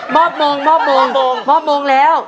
มอบมงมอบมงแล้ว